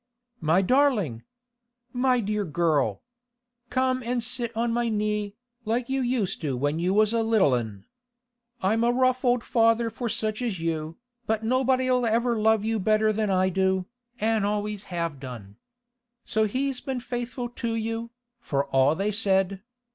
'My darling! My dear girl! Come an' sit on my knee, like you used to when you was a little 'un. I'm a rough old father for such as you, but nobody'll never love you better than I do, an' always have done. So he's been faithful to you, for all they said.